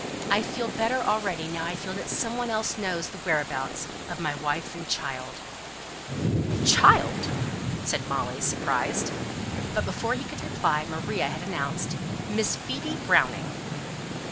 I feel better already, now I feel that some one else knows the whereabouts of my wife and child." "Child!" said Molly, surprised. But before he could reply, Maria had announced, "Miss Phoebe Browning."